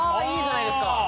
いいじゃないですか！